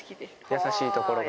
優しいところが。